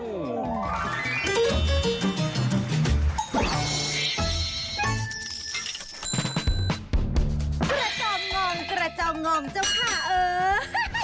กระจ่องงองกระจ่องงองเจ้าข้าเอ่อ